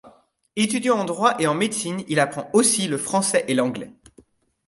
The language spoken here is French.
Étudiant en droit et en médecine, il apprend aussi le français et l’anglais.